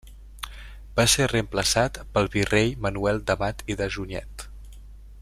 Va ser reemplaçat pel virrei Manuel d'Amat i de Junyent.